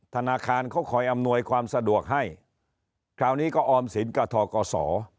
ธนาคารเขาคอยอำนวยความสะดวกให้คราวนี้ก็ออมสินกับทกศ